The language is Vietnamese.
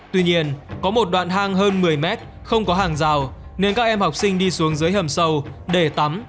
tuy nhiên có một đoạn hang hơn một mươi mét không có hàng rào nên các em học sinh đi xuống dưới hầm sâu để tắm